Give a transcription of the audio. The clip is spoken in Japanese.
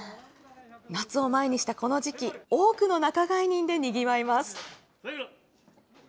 夏を前にしたこの時期、多くの仲買人でにぎわいます。